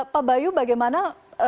pak bayu bagaimana